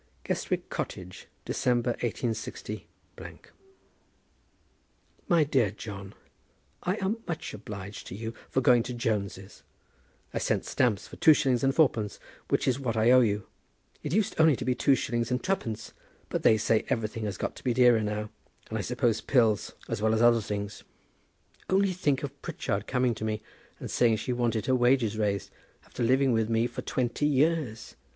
Guestwick Cottage, December, 186 . MY DEAR JOHN, I am much obliged to you for going to Jones's. I send stamps for two shillings and fourpence, which is what I owe you. It used only to be two shillings and twopence, but they say everything has got to be dearer now, and I suppose pills as well as other things. Only think of Pritchard coming to me, and saying she wanted her wages raised, after living with me for twenty years!